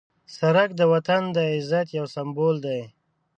سړک د وطن د عزت یو سمبول دی.